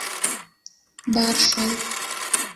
- Бар шул.